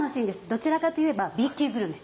どちらかといえばＢ級グルメ。